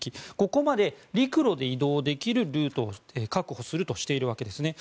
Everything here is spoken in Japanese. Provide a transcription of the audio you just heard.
ここまで陸路で移動できるルートを確保するとしているわけですね。